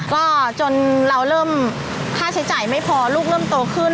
ก็จนเราเริ่มค่าใช้จ่ายไม่พอลูกเริ่มโตขึ้น